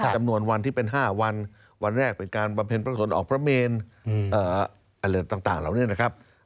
จำนวนวันที่เป็น๕วันวันแรกเป็นการบำเพ็ญพระสนออกพระเมนอะไรต่างเหล่านี้นะครับ